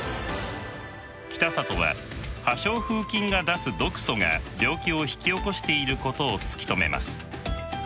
北里は破傷風菌が出す毒素が病気を引き起こしていることを突き止めます。